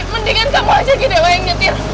mendingan kamu aja jadi dewa yang nyetir